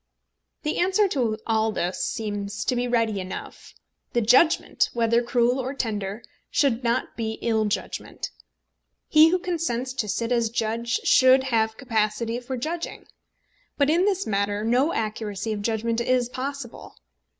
The answer to all this seems to be ready enough. The judgment, whether cruel or tender, should not be ill judgment. He who consents to sit as judge should have capacity for judging. But in this matter no accuracy of judgment is possible.